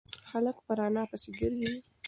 هلک پر انا پسې گرځي.